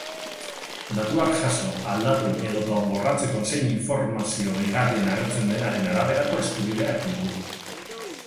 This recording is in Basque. Datuak jaso, aldatu edota borratzeko zein informazio gehigarrian agertzen denaren araberako eskubideak ditugu.